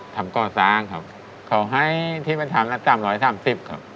ทำก้อสร้างครับขอให้ที่มันทำละ๓๓๐ครับ